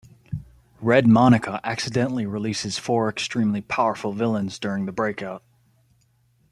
Red Monika accidentally releases four extremely powerful villains during the breakout.